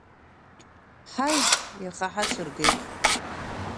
Ҳаи, иаха ҳацә ргеит!